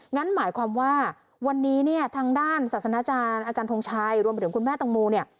งั้นหมายความว่าวันนี้เนี่ยทางด้านศาสนาจารย์อาจารย์ทงชัยรวมไปถึงคุณแม่ตังโมเนี่ย